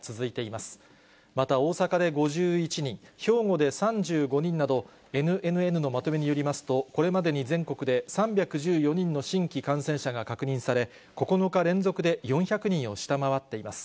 また大阪で５１人、兵庫で３５人など、ＮＮＮのまとめによりますと、これまでに全国で３１４人の新規感染者が確認され、９日連続で４００人を下回っています。